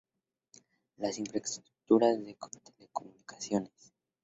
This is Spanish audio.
Las infraestructuras de telecomunicaciones.